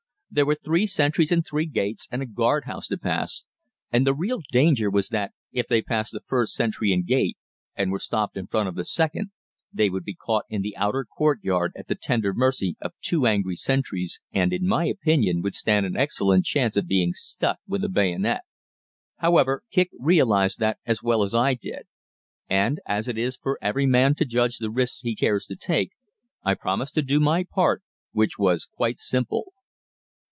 There were three sentries and three gates and a guardhouse to pass, and the real danger was that, if they passed the first sentry and gate and were stopped in front of the second, they would be caught in the outer courtyard at the tender mercy of two angry sentries, and in my opinion would stand an excellent chance of being stuck with a bayonet. However, Kicq realized that as well as I did; and, as it is for every man to judge the risks he cares to take, I promised to do my part, which was quite simple.